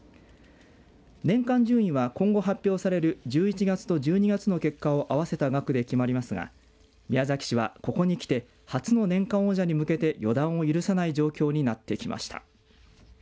年間順位は今後発表される１１月と１２月の結果を合わせた額で決まりますが宮崎市はここにきて初の年間王者に向けて予断を許さない状況になってきました。